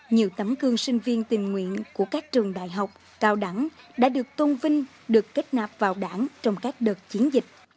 nhiều tấm gương sinh viên tình nguyện của các trường đại học cao đẳng đã được tôn vinh được kết nạp vào đảng trong các đợt chiến dịch